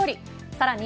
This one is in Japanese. さらに